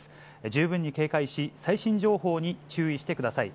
十分に警戒し、最新情報に注意してください。